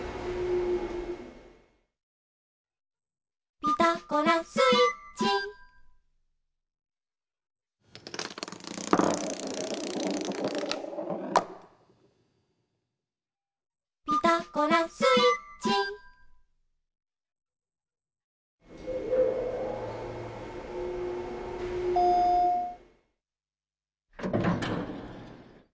「ピタゴラスイッチ」「ピタゴラスイッチ」ポン。